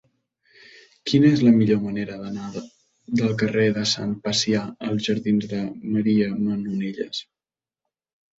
Quina és la millor manera d'anar del carrer de Sant Pacià als jardins de Maria Manonelles?